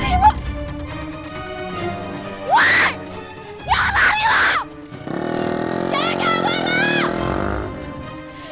jangan jalan jalan loh